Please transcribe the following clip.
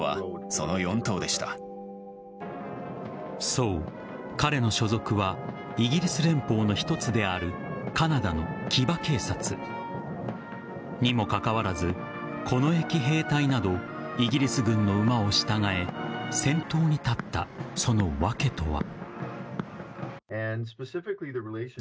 そう、彼の所属はイギリス連邦の一つであるカナダの騎馬警察。にもかかわらず、近衛騎兵隊などイギリス軍の馬を従え先頭に立ったその訳とは。